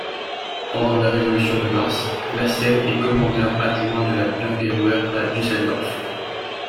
Pendant la révolution de mars, Clasen est commandeur adjoint de la Bürgerwehr à Düsseldorf.